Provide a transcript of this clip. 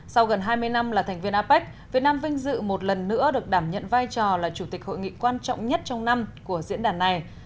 sau gần hai mươi năm là thành viên apec việt nam vinh dự một lần nữa được đảm nhận vai trò là chủ tịch hội nghị quan trọng nhất trong năm của diễn đàn này